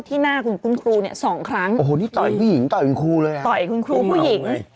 ต่อยคุณครูผู้หญิง